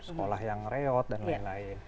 sekolah yang reot dan lain lain